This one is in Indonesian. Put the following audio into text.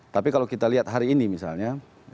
tapi kalau kita lihat hari ini misalnya